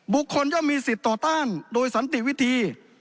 ย่อมมีสิทธิ์ต่อต้านโดยสันติวิธี